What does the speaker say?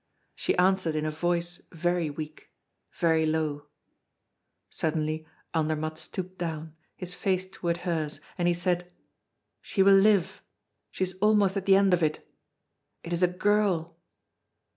She answered in a voice very weak, very low. Suddenly, Andermatt stooped down, his face toward hers, and he said: "She will live she is almost at the end of it. It is a girl!"